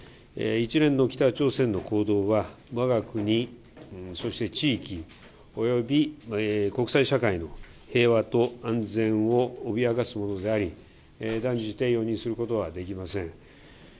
一連の北朝鮮の行動は、わが国、そして地域、および国際社会の平和と安全を脅かすものであり、断じて容認することはできません。